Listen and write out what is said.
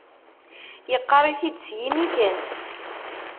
Yeqqar-it-id s yimi kan